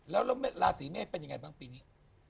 แล้วราศีเมษเป็นยังไงบ้างปีนี้